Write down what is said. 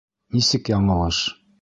Нисек яңылыш?